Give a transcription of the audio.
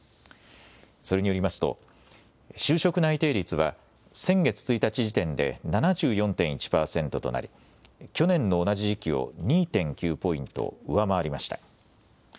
それによりますと就職内定率は先月１日時点で７４．１％となり去年の同じ時期を２．９ポイント上回りました。